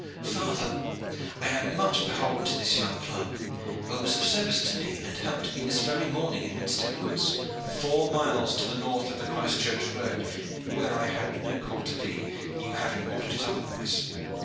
Father, I am much beholden to this young clerk, who was of service to me and helped me this very morning in Minstead Woods, four miles to the north of the Christchurch road, where I had no call to be, you having ordered it otherwise."